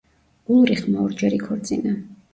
ულრიხმა ორჯერ იქორწინა.